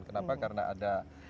kenapa karena ada